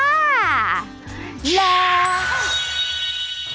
แล้ว